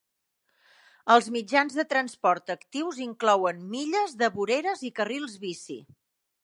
Els mitjans de transport actius inclouen milles de voreres i carrils bici.